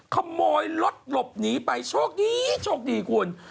ขโมยรถหลบหนีไปโชคดีคุณ